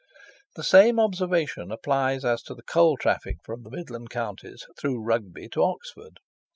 The same observation applies as to the coal traffic from the Midland Counties through Rugby to Oxford.